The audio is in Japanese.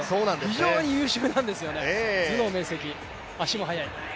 非常に優秀なんです、頭脳明晰、足も速い。